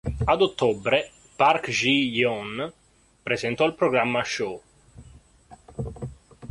Ad ottobre, Park Ji-yeon presentò il programma "Show!